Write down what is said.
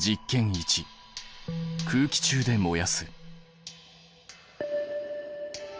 １空気中で燃やす。